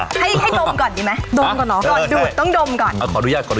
ให้ดมก่อนดีไหม